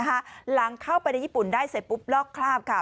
หลังเข้าไปในญี่ปุ่นได้เสร็จปุ๊บลอกคราบค่ะ